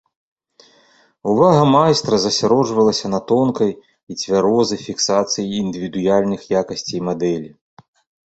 Увага майстра засяроджвалася на тонкай і цвярозай фіксацыі індывідуальных якасцей мадэлі.